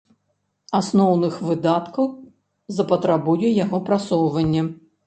Асноўных выдаткаў запатрабуе яго прасоўванне.